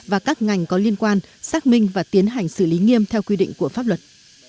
và các ngành có liên quan xác minh và tiến hành xử lý nghiêm theo quy định của pháp luật